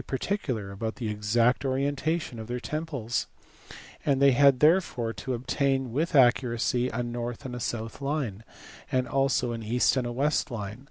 / 7 particular about the exact orientation of their temples ; and they had therefore to obtain with accuracy a north and south line, and also an east and west line.